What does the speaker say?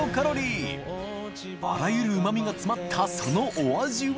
△蕕罎うま味が詰まったそのお味は？